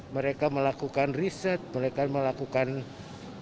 mereka melakukan riset mereka melakukan penyelidikan